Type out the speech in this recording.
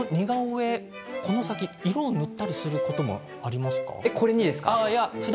この先色を塗ったりすることありますか。